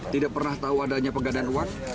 tidak pernah tahu adanya penggandaan uang